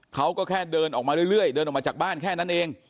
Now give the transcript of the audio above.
เขาก็แค่เดินออกมาเรื่อยเดินออกมาจากบ้านแค่นั้นเอง